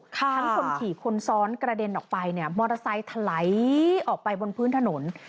ทั้งคนขี่คนซ้อนกระเด็นออกไปเนี่ยมอเตอร์ไซค์ถลายออกไปบนพื้นถนน